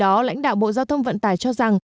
do lãnh đạo bộ giao thông vận tải cho rằng